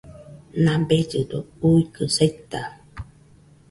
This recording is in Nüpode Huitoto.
Nabellɨdo uikɨ saita